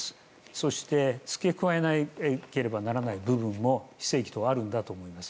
そして、付け加えなければいけない部分も非正規等あるんだと思います。